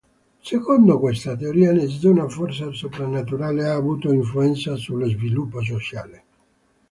Secondo questa teoria, nessuna forza soprannaturale ha avuto influenza sullo sviluppo sociale.